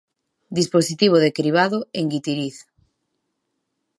Dispositivo de cribado en Guitiriz.